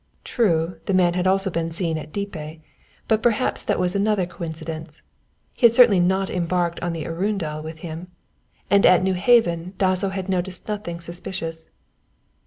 True, the man had also been seen at Dieppe, but perhaps that was another coincidence. He had certainly not embarked on the Arundel with him, and at Newhaven Dasso had noticed nothing suspicious.